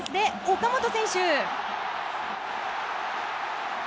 岡本選手